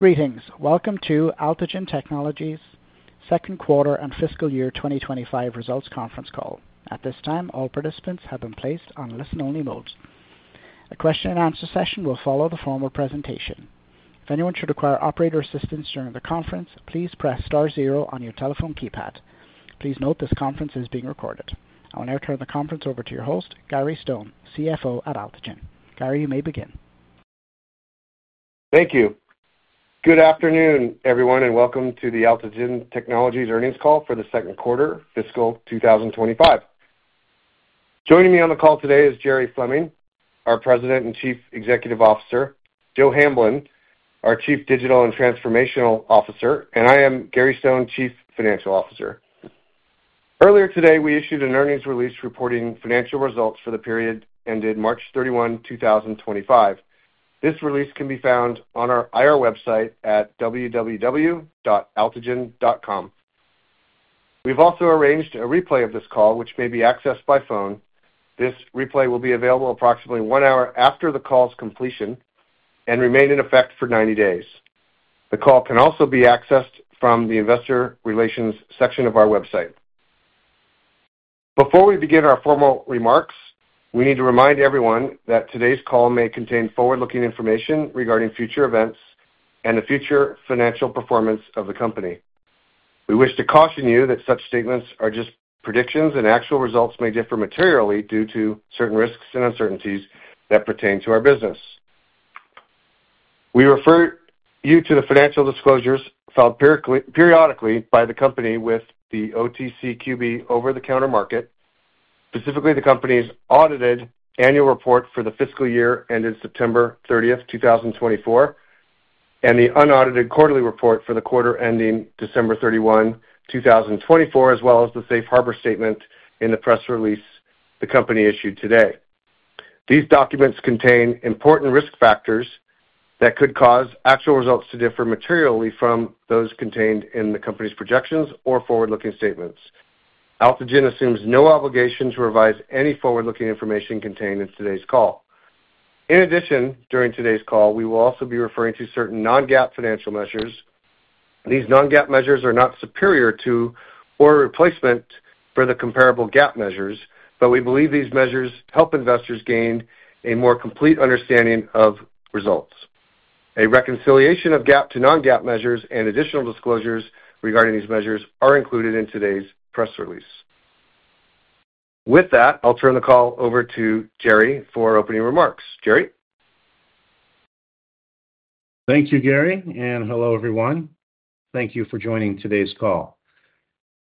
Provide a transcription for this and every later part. Greetings. Welcome to Altigen Technologies' second quarter and fiscal year 2025 results conference call. At this time, all participants have been placed on listen-only mode. A question-and-answer session will follow the formal presentation. If anyone should require operator assistance during the conference, please press star zero on your telephone keypad. Please note this conference is being recorded. I will now turn the conference over to your host, Gary Stone, CFO at Altigen. Gary, you may begin. Thank you. Good afternoon, everyone, and welcome to the Altigen Technologies earnings call for the second quarter, fiscal 2025. Joining me on the call today is Jerry Fleming, our President and Chief Executive Officer; Joe Hamblin, our Chief Digital and Transformational Officer; and I am Gary Stone, Chief Financial Officer. Earlier today, we issued an earnings release reporting financial results for the period ended March 31, 2025. This release can be found on our IR website at www.altigen.com. We have also arranged a replay of this call, which may be accessed by phone. This replay will be available approximately one hour after the call's completion and remain in effect for 90 days. The call can also be accessed from the Investor Relations section of our website. Before we begin our formal remarks, we need to remind everyone that today's call may contain forward-looking information regarding future events and the future financial performance of the company. We wish to caution you that such statements are just predictions, and actual results may differ materially due to certain risks and uncertainties that pertain to our business. We refer you to the financial disclosures filed periodically by the company with the OTCQB over-the-counter market, specifically the company's audited annual report for the fiscal year ended September 30, 2024, and the unaudited quarterly report for the quarter ending December 31, 2024, as well as the safe harbor statement in the press release the company issued today. These documents contain important risk factors that could cause actual results to differ materially from those contained in the company's projections or forward-looking statements. Altigen assumes no obligation to revise any forward-looking information contained in today's call. In addition, during today's call, we will also be referring to certain non-GAAP financial measures. These non-GAAP measures are not superior to or a replacement for the comparable GAAP measures, but we believe these measures help investors gain a more complete understanding of results. A reconciliation of GAAP to non-GAAP measures and additional disclosures regarding these measures are included in today's press release. With that, I'll turn the call over to Jerry for opening remarks. Jerry. Thank you, Gary, and hello, everyone. Thank you for joining today's call.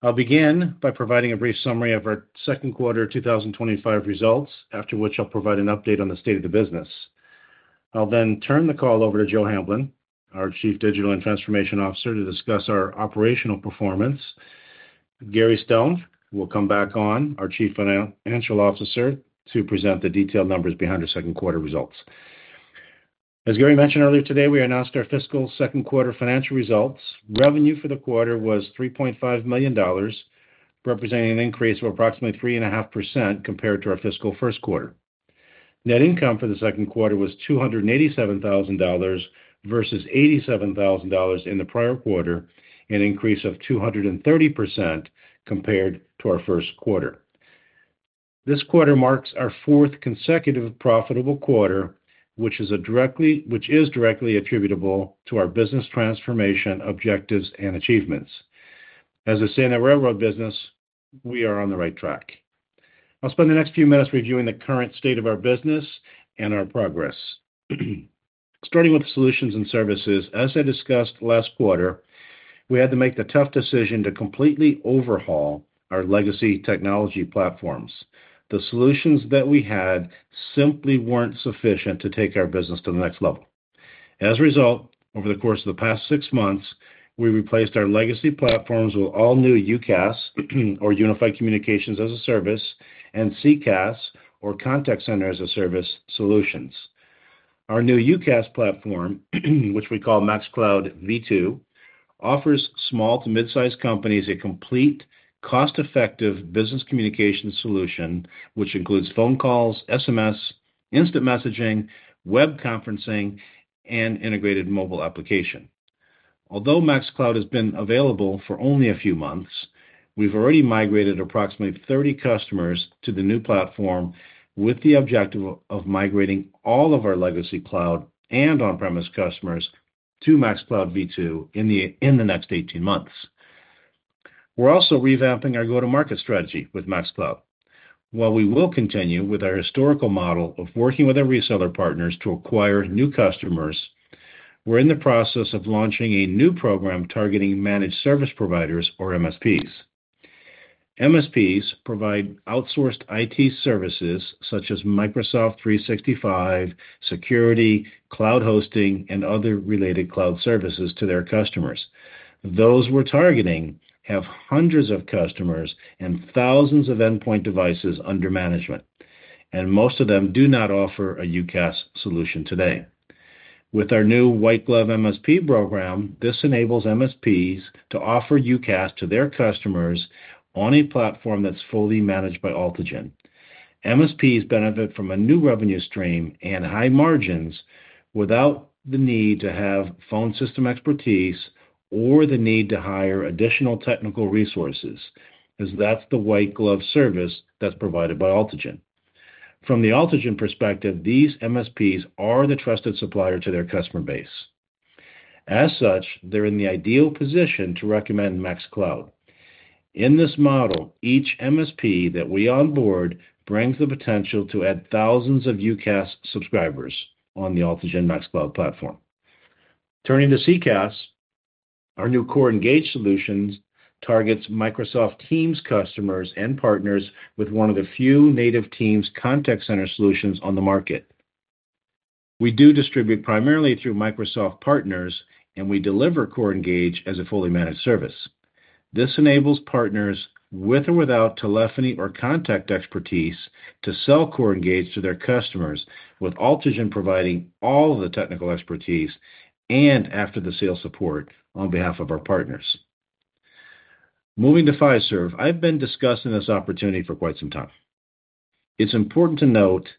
I'll begin by providing a brief summary of our second quarter 2025 results, after which I'll provide an update on the state of the business. I'll then turn the call over to Joe Hamblin, our Chief Digital and Transformation Officer, to discuss our operational performance. Gary Stone will come back on, our Chief Financial Officer, to present the detailed numbers behind our second quarter results. As Gary mentioned earlier today, we announced our fiscal second quarter financial results. Revenue for the quarter was $3.5 million, representing an increase of approximately 3.5% compared to our fiscal first quarter. Net income for the second quarter was $287,000 versus $87,000 in the prior quarter, an increase of 230% compared to our first quarter. This quarter marks our fourth consecutive profitable quarter, which is directly attributable to our business transformation objectives and achievements. As a Santa Ra Road business, we are on the right track. I'll spend the next few minutes reviewing the current state of our business and our progress. Starting with solutions and services, as I discussed last quarter, we had to make the tough decision to completely overhaul our legacy technology platforms. The solutions that we had simply were not sufficient to take our business to the next level. As a result, over the course of the past six months, we replaced our legacy platforms with all-new UCaaS, or Unified Communications as a Service, and CCaaS, or Contact Center as a Service solutions. Our new UCaaS platform, which we call MaxCloud V2, offers small to mid-sized companies a complete, cost-effective business communication solution, which includes phone calls, SMS, instant messaging, web conferencing, and integrated mobile application. Although MaxCloud has been available for only a few months, we've already migrated approximately 30 customers to the new platform with the objective of migrating all of our legacy cloud and on-premise customers to MaxCloud V2 in the next 18 months. We're also revamping our go-to-market strategy with MaxCloud. While we will continue with our historical model of working with our reseller partners to acquire new customers, we're in the process of launching a new program targeting managed service providers, or MSPs. MSPs provide outsourced IT services such as Microsoft 365, security, cloud hosting, and other related cloud services to their customers. Those we're targeting have hundreds of customers and thousands of endpoint devices under management, and most of them do not offer a UCaaS solution today. With our new white-glove MSP program, this enables MSPs to offer UCaaS to their customers on a platform that's fully managed by Altigen. MSPs benefit from a new revenue stream and high margins without the need to have phone system expertise or the need to hire additional technical resources, as that's the white-glove service that's provided by Altigen. From the Altigen perspective, these MSPs are the trusted supplier to their customer base. As such, they're in the ideal position to recommend MaxCloud. In this model, each MSP that we onboard brings the potential to add thousands of UCaaS subscribers on the Altigen MaxCloud platform. Turning to CCaaS, our new CoreEngage solutions targets Microsoft Teams customers and partners with one of the few native Teams contact center solutions on the market. We do distribute primarily through Microsoft partners, and we deliver CoreEngage as a fully managed service. This enables partners with or without telephony or contact expertise to sell CoreEngage to their customers, with Altigen providing all of the technical expertise and after-the-sale support on behalf of our partners. Moving to Fiserv, I've been discussing this opportunity for quite some time. It's important to note,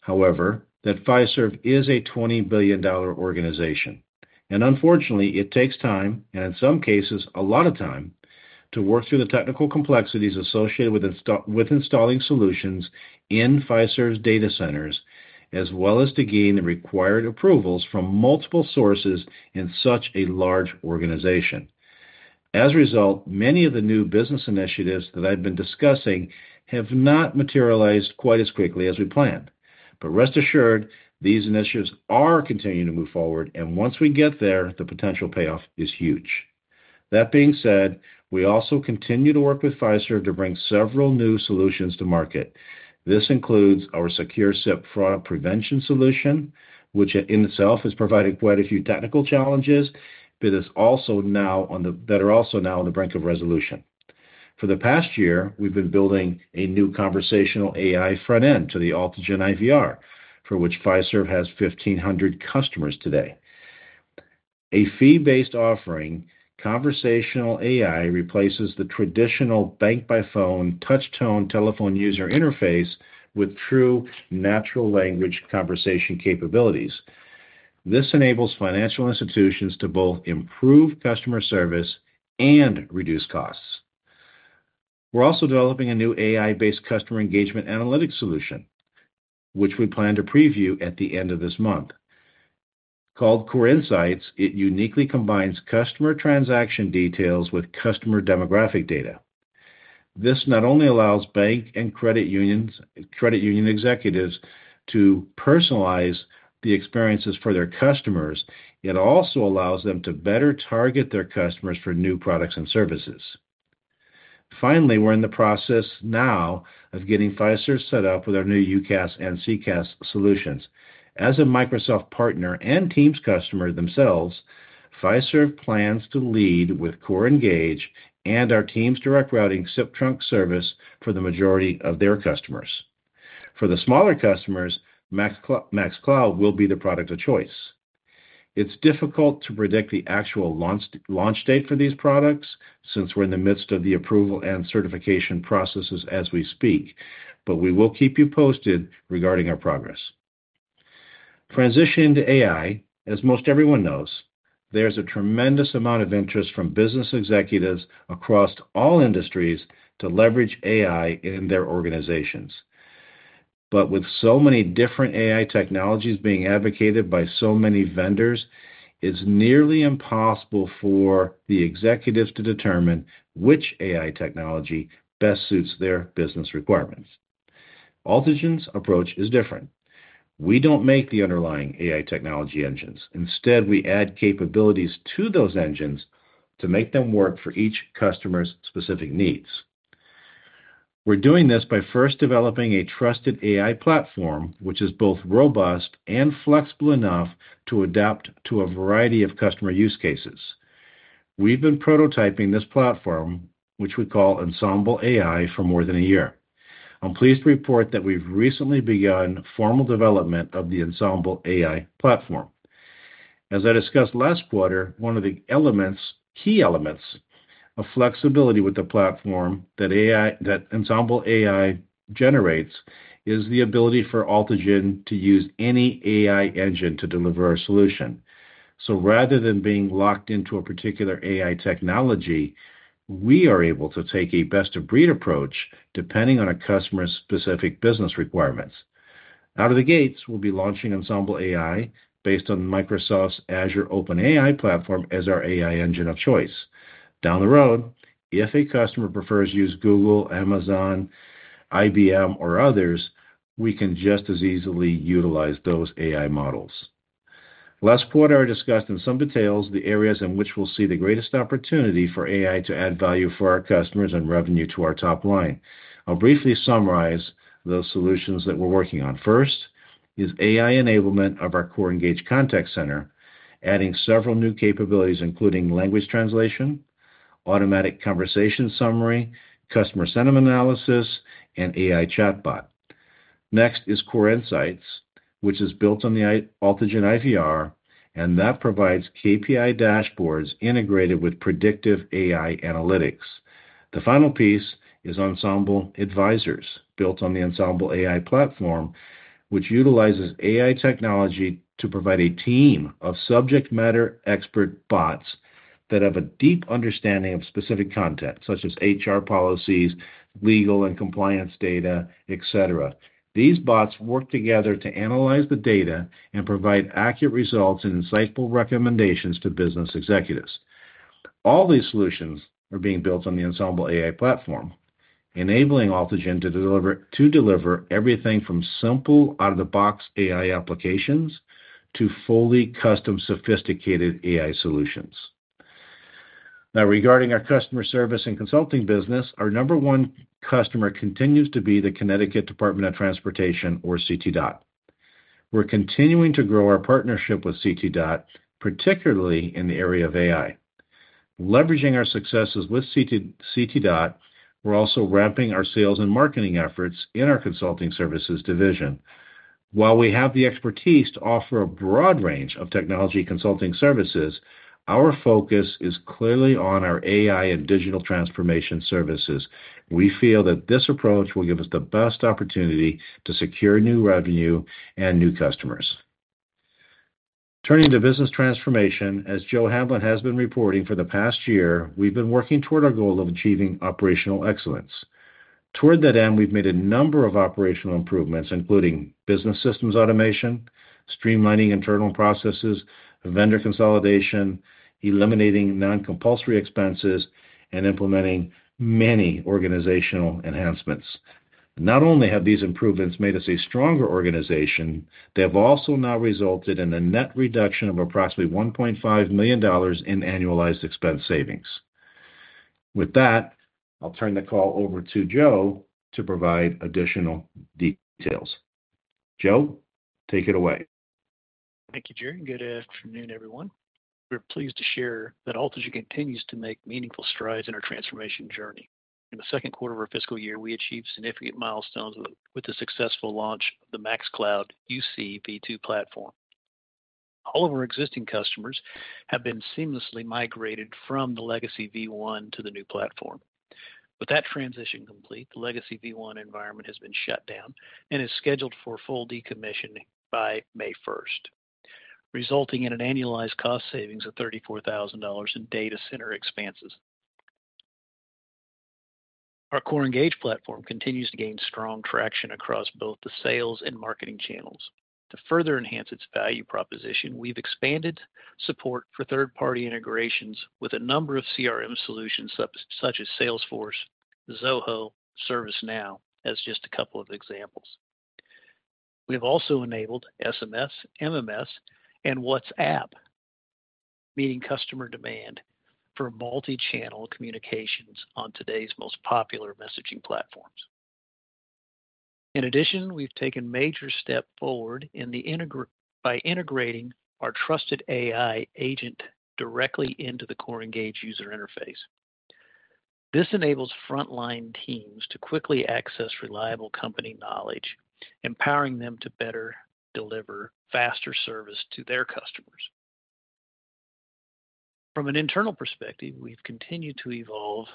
however, that Fiserv is a $20 billion organization, and unfortunately, it takes time, and in some cases, a lot of time, to work through the technical complexities associated with installing solutions in Fiserv's data centers, as well as to gain the required approvals from multiple sources in such a large organization. As a result, many of the new business initiatives that I've been discussing have not materialized quite as quickly as we planned. Rest assured, these initiatives are continuing to move forward, and once we get there, the potential payoff is huge. That being said, we also continue to work with Fiserv to bring several new solutions to market. This includes our SecureSIP fraud prevention solution, which in itself is providing quite a few technical challenges, but is also now on the brink of resolution. For the past year, we've been building a new conversational AI front-end to the Altigen IVR, for which Fiserv has 1,500 customers today. A fee-based offering, conversational AI replaces the traditional bank-by-phone touch-tone telephone user interface with true natural language conversation capabilities. This enables financial institutions to both improve customer service and reduce costs. We're also developing a new AI-based customer engagement analytics solution, which we plan to preview at the end of this month. Called CoreInsights, it uniquely combines customer transaction details with customer demographic data. This not only allows bank and credit union executives to personalize the experiences for their customers, it also allows them to better target their customers for new products and services. Finally, we're in the process now of getting Fiserv set up with our new UCaaS and CCaaS solutions. As a Microsoft partner and Teams customer themselves, Fiserv plans to lead with CoreEngage and our Teams direct routing SIP trunk service for the majority of their customers. For the smaller customers, MaxCloud will be the product of choice. It's difficult to predict the actual launch date for these products since we're in the midst of the approval and certification processes as we speak, but we will keep you posted regarding our progress. Transitioning to AI, as most everyone knows, there's a tremendous amount of interest from business executives across all industries to leverage AI in their organizations. With so many different AI technologies being advocated by so many vendors, it's nearly impossible for the executives to determine which AI technology best suits their business requirements. Altigen's approach is different. We don't make the underlying AI technology engines. Instead, we add capabilities to those engines to make them work for each customer's specific needs. We're doing this by first developing a trusted AI platform, which is both robust and flexible enough to adapt to a variety of customer use cases. We've been prototyping this platform, which we call Ensemble AI, for more than a year. I'm pleased to report that we've recently begun formal development of the Ensemble AI platform. As I discussed last quarter, one of the key elements of flexibility with the platform that Ensemble AI generates is the ability for Altigen to use any AI engine to deliver a solution. Rather than being locked into a particular AI technology, we are able to take a best-of-breed approach depending on a customer's specific business requirements. Out of the gates, we'll be launching Ensemble AI based on Microsoft's Azure OpenAI platform as our AI engine of choice. Down the road, if a customer prefers to use Google, Amazon, IBM, or others, we can just as easily utilize those AI models. Last quarter, I discussed in some details the areas in which we'll see the greatest opportunity for AI to add value for our customers and revenue to our top line. I'll briefly summarize the solutions that we're working on. First is AI enablement of our CoreEngage contact center, adding several new capabilities, including language translation, automatic conversation summary, customer sentiment analysis, and AI chatbot. Next is CoreInsights, which is built on the Altigen IVR, and that provides KPI dashboards integrated with predictive AI analytics. The final piece is Ensemble Advisors, built on the Ensemble AI platform, which utilizes AI technology to provide a team of subject-matter expert bots that have a deep understanding of specific content, such as HR policies, legal and compliance data, etc. These bots work together to analyze the data and provide accurate results and insightful recommendations to business executives. All these solutions are being built on the Ensemble AI platform, enabling Altigen to deliver everything from simple out-of-the-box AI applications to fully custom sophisticated AI solutions. Now, regarding our customer service and consulting business, our number one customer continues to be the Connecticut Department of Transportation, or CT DOT. We're continuing to grow our partnership with CT DOT, particularly in the area of AI. Leveraging our successes with CT DOT, we're also ramping our sales and marketing efforts in our consulting services division. While we have the expertise to offer a broad range of technology consulting services, our focus is clearly on our AI and digital transformation services. We feel that this approach will give us the best opportunity to secure new revenue and new customers. Turning to business transformation, as Joe Hamblin has been reporting, for the past year, we've been working toward our goal of achieving operational excellence. Toward that end, we've made a number of operational improvements, including business systems automation, streamlining internal processes, vendor consolidation, eliminating non-compulsory expenses, and implementing many organizational enhancements. Not only have these improvements made us a stronger organization, they have also now resulted in a net reduction of approximately $1.5 million in annualized expense savings. With that, I'll turn the call over to Joe to provide additional details. Joe, take it away. Thank you, Jerry. Good afternoon, everyone. We're pleased to share that Altigen continues to make meaningful strides in our transformation journey. In the second quarter of our fiscal year, we achieved significant milestones with the successful launch of the MaxCloud V2 platform. All of our existing customers have been seamlessly migrated from the legacy V1 to the new platform. With that transition complete, the legacy V1 environment has been shut down and is scheduled for full decommissioning by May 1, resulting in an annualized cost savings of $34,000 in data center expenses. Our CoreEngage platform continues to gain strong traction across both the sales and marketing channels. To further enhance its value proposition, we've expanded support for third-party integrations with a number of CRM solutions such as Salesforce, Zoho, and ServiceNow as just a couple of examples. We have also enabled SMS, MMS, and WhatsApp, meeting customer demand for multi-channel communications on today's most popular messaging platforms. In addition, we've taken major steps forward by integrating our trusted AI agent directly into the CoreEngage user interface. This enables frontline teams to quickly access reliable company knowledge, empowering them to better deliver faster service to their customers. From an internal perspective, we've continued to evolve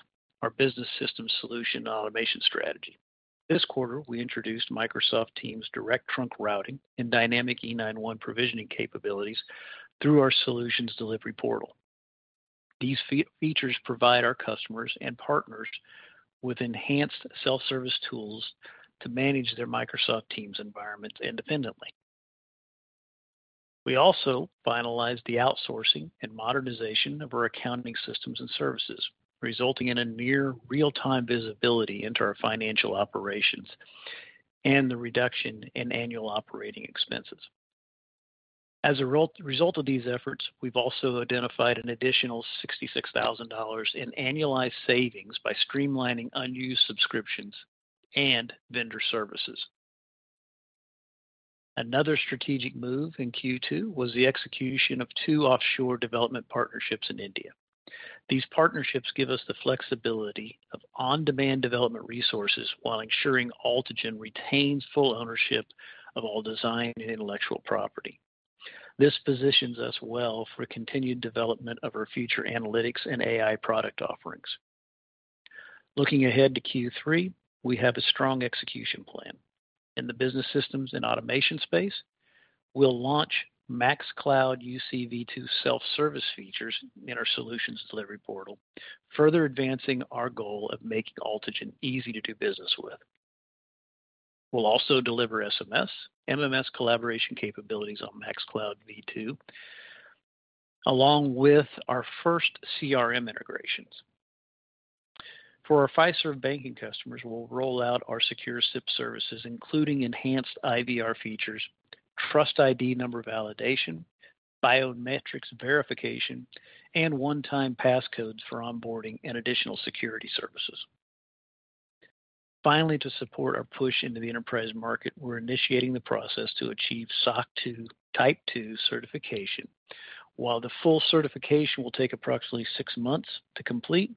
our business system solution automation strategy. This quarter, we introduced Microsoft Teams direct trunk routing and dynamic E911 provisioning capabilities through our solutions delivery portal. These features provide our customers and partners with enhanced self-service tools to manage their Microsoft Teams environments independently. We also finalized the outsourcing and modernization of our accounting systems and services, resulting in near real-time visibility into our financial operations and the reduction in annual operating expenses. As a result of these efforts, we've also identified an additional $66,000 in annualized savings by streamlining unused subscriptions and vendor services. Another strategic move in Q2 was the execution of two offshore development partnerships in India. These partnerships give us the flexibility of on-demand development resources while ensuring Altigen retains full ownership of all design and intellectual property. This positions us well for continued development of our future analytics and AI product offerings. Looking ahead to Q3, we have a strong execution plan. In the business systems and automation space, we'll launch MaxCloud UC V2 self-service features in our solutions delivery portal, further advancing our goal of making Altigen easy to do business with. We'll also deliver SMS, MMS collaboration capabilities on MaxCloud V2, along with our first CRM integrations. For our Fiserv banking customers, we'll roll out our SecureSIP services, including enhanced IVR features, trust ID number validation, biometrics verification, and one-time passcodes for onboarding and additional security services. Finally, to support our push into the enterprise market, we're initiating the process to achieve SOC 2 Type II certification. While the full certification will take approximately six months to complete,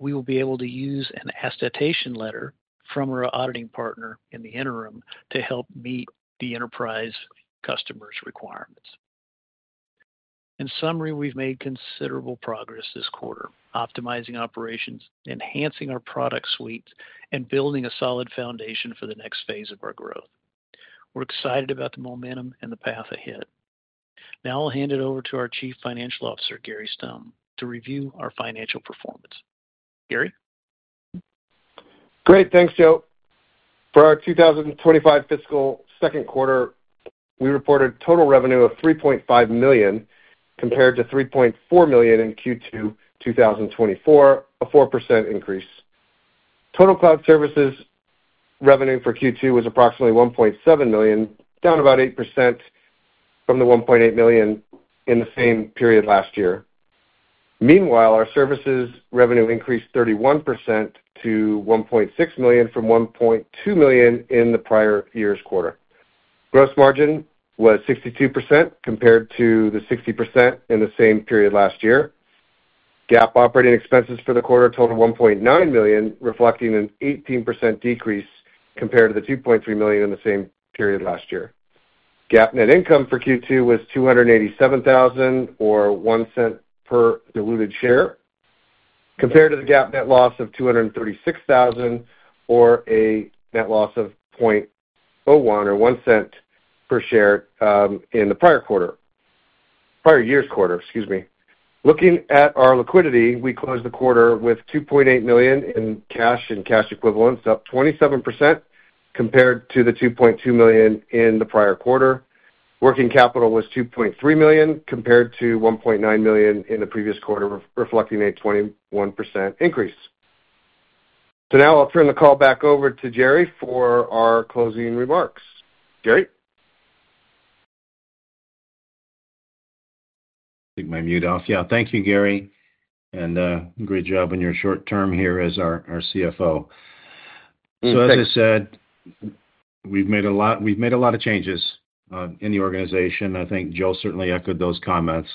we will be able to use an accreditation letter from our auditing partner in the interim to help meet the enterprise customers' requirements. In summary, we've made considerable progress this quarter, optimizing operations, enhancing our product suites, and building a solid foundation for the next phase of our growth. We're excited about the momentum and the path ahead. Now I'll hand it over to our Chief Financial Officer, Gary Stone, to review our financial performance. Gary? Great. Thanks, Joe. For our 2025 fiscal second quarter, we reported total revenue of $3.5 million compared to $3.4 million in Q2 2024, a 4% increase. Total cloud services revenue for Q2 was approximately $1.7 million, down about 8% from the $1.8 million in the same period last year. Meanwhile, our services revenue increased 31% to $1.6 million from $1.2 million in the prior year's quarter. Gross margin was 62% compared to 60% in the same period last year. GAAP operating expenses for the quarter totaled $1.9 million, reflecting an 18% decrease compared to $2.3 million in the same period last year. GAAP net income for Q2 was $287,000, or $0.01 per diluted share, compared to the GAAP net loss of $236,000, or a net loss of $0.01, or $0.01 per share in the prior year's quarter, excuse me. Looking at our liquidity, we closed the quarter with $2.8 million in cash and cash equivalents, up 27% compared to $2.2 million in the prior quarter. Working capital was $2.3 million compared to $1.9 million in the previous quarter, reflecting a 21% increase. Now I'll turn the call back over to Jerry for our closing remarks. Jerry? I think my mute off. Yeah. Thank you, Gary. And great job on your short term here as our CFO. As I said, we've made a lot of changes in the organization. I think Joe certainly echoed those comments.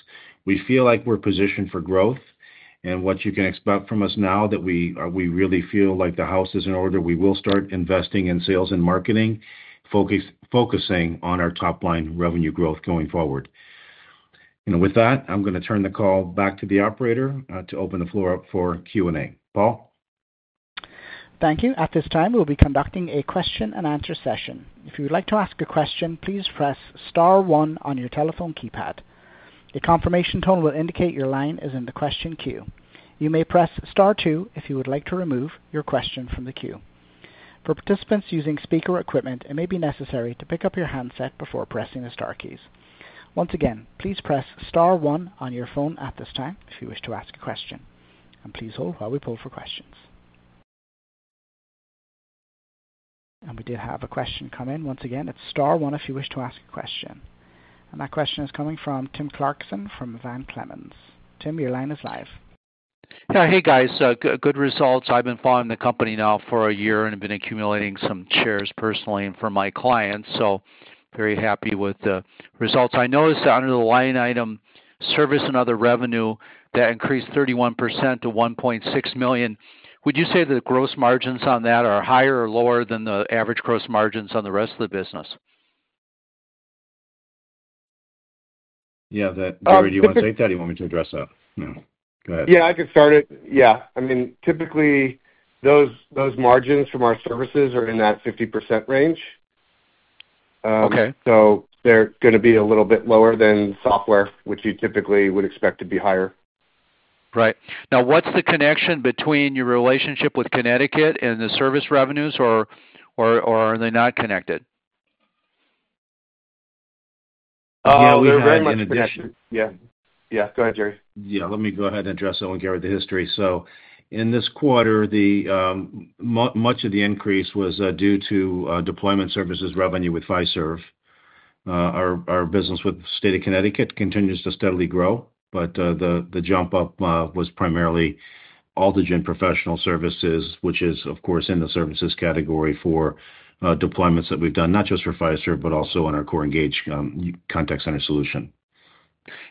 We feel like we're positioned for growth. What you can expect from us now is that we really feel like the house is in order. We will start investing in sales and marketing, focusing on our top-line revenue growth going forward. With that, I'm going to turn the call back to the operator to open the floor up for Q&A. Paul? Thank you. At this time, we'll be conducting a question-and-answer session. If you'd like to ask a question, please press star one on your telephone keypad. The confirmation tone will indicate your line is in the question queue. You may press Star 2 if you would like to remove your question from the queue. For participants using speaker equipment, it may be necessary to pick up your handset before pressing the star keys. Once again, please press star one on your phone at this time if you wish to ask a question. Please hold while we pull for questions. We did have a question come in. Once again, it is star one if you wish to ask a question. That question is coming from Tim Clarkson from Van Clemens. Tim, your line is live. Yeah. Hey, guys. Good results. I've been following the company now for a year and have been accumulating some shares personally and for my clients. Very happy with the results. I noticed that under the line item service and other revenue, that increased 31% to $1.6 million. Would you say that the gross margins on that are higher or lower than the average gross margins on the rest of the business? Yeah. Do you want to take that or do you want me to address that? No. Go ahead. Yeah. I could start it. Yeah. I mean, typically, those margins from our services are in that 50% range. So they're going to be a little bit lower than software, which you typically would expect to be higher. Right. Now, what's the connection between your relationship with Connecticut and the service revenues, or are they not connected? Yeah. We're very much in a disconnect. Yeah. Yeah. Go ahead, Jerry. Yeah. Let me go ahead and address that one, Gary, with the history. In this quarter, much of the increase was due to deployment services revenue with Fiserv. Our business with the state of Connecticut continues to steadily grow, but the jump-up was primarily Altigen Professional Services, which is, of course, in the services category for deployments that we have done, not just for Fiserv, but also on our CoreEngage contact center solution.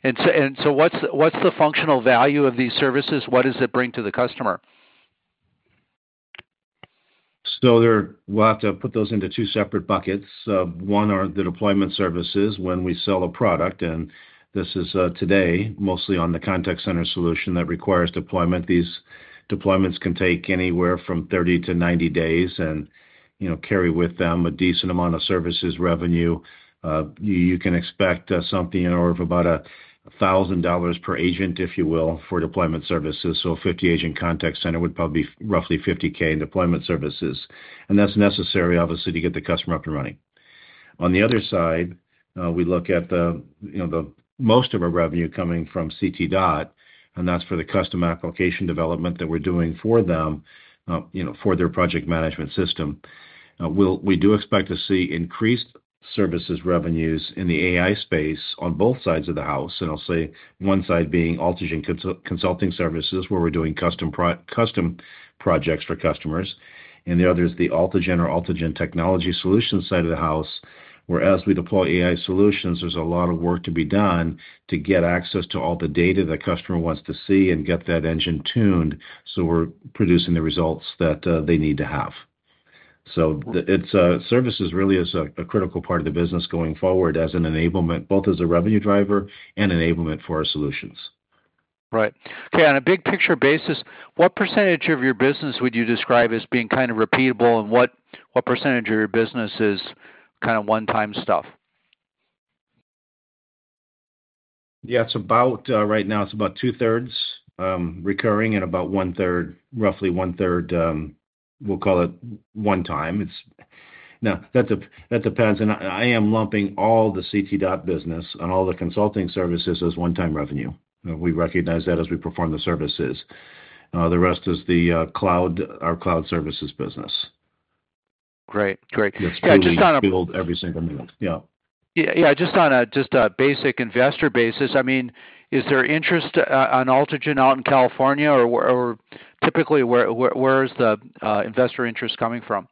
What is the functional value of these services? What does it bring to the customer? We will have to put those into two separate buckets. One is the deployment services when we sell a product. This is today, mostly on the contact center solution that requires deployment. These deployments can take anywhere from 30-90 days and carry with them a decent amount of services revenue. You can expect something in the order of about $1,000 per agent, if you will, for deployment services. A 50-agent contact center would probably be roughly $50,000 in deployment services. That is necessary, obviously, to get the customer up and running. On the other side, we look at most of our revenue coming from CT DOT, and that is for the custom application development that we are doing for them, for their project management system. We do expect to see increased services revenues in the AI space on both sides of the house. I will say one side being Altigen Consulting Services, where we are doing custom projects for customers. The other is the Altigen or Altigen Technology Solutions side of the house, where as we deploy AI solutions, there is a lot of work to be done to get access to all the data the customer wants to see and get that engine tuned so we are producing the results that they need to have. Services really is a critical part of the business going forward as an enablement, both as a revenue driver and enablement for our solutions. Right. Okay. On a big-picture basis, what percentage of your business would you describe as being kind of repeatable, and what percentage of your business is kind of one-time stuff? Yeah. Right now, it's about two-thirds recurring and about one-third, roughly one-third, we'll call it one-time. Now, that depends. And I am lumping all the CT DOT business and all the consulting services as one-time revenue. We recognize that as we perform the services. The rest is our cloud services business. Just on a basic investor basis, I mean, is there interest on Altigen out in California, or typically, where is the investor interest coming from?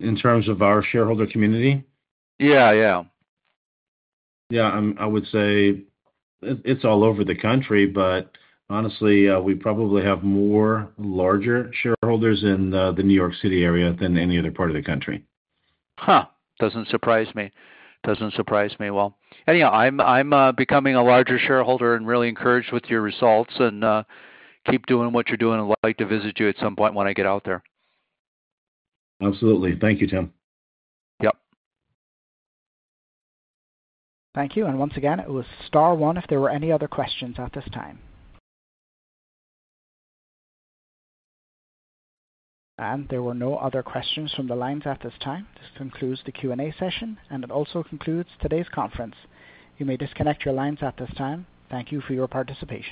In terms of our shareholder community? Yeah. I would say it's all over the country, but honestly, we probably have more larger shareholders in the New York City area than any other part of the country. Huh. Doesn't surprise me. Doesn't surprise me. Anyhow, I'm becoming a larger shareholder and really encouraged with your results and keep doing what you're doing and would like to visit you at some point when I get out there. Absolutely. Thank you, Tim. Thank you. Once again, it was Star 1 if there were any other questions at this time. There were no other questions from the lines at this time. This concludes the Q&A session, and it also concludes today's conference. You may disconnect your lines at this time. Thank you for your participation.